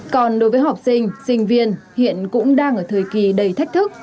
còn đối với học sinh sinh viên hiện cũng đang ở thời kỳ đầy thách thức